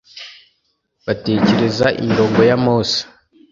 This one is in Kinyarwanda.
Batekereza imirongo ya mose